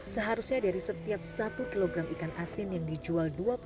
seharusnya dari setiap satu kilogram ikan asin yang dijual dua puluh